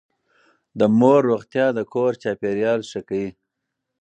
د مور روغتيا د کور چاپېريال ښه کوي.